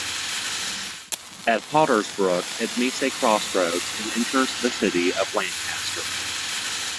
At Potters Brook, it meets a crossroads and enters the city of Lancaster.